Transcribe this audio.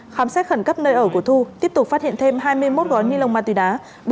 khám xét khẩn cấp nơi ở của thu tiếp tục phát hiện thêm hai mươi một gói ni lông ma túy đá